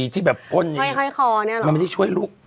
ที่แบบพ่นอย่างนี้มันไม่ได้ช่วยลุก